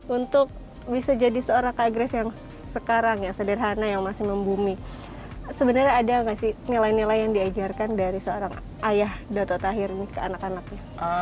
untuk bisa jadi seorang kak grace yang sekarang yang sederhana yang masih membumi sebenarnya ada nggak sih nilai nilai yang diajarkan dari seorang ayah dato tahir ini ke anak anaknya